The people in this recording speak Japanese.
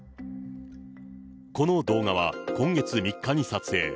この動画は、今月３日に撮影。